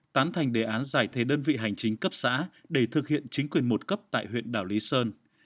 tán thành đề án giải thể đơn vị hành chính cấp xã để thực hiện chính quyền một cấp tại huyện đảo lý sơn